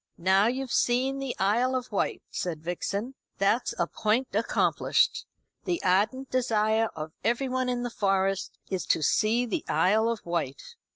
"Now, you've seen the Isle of Wight," said Vixen. "That's a point accomplished. The ardent desire of everyone in the Forest is to see the Isle of Wight.